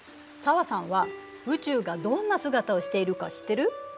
紗和さんは宇宙がどんな姿をしているか知ってる？